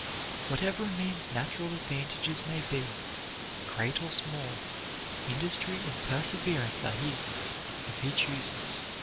Whatever a man's natural advantages may be, great or small, industry and perseverance are his, if he chooses.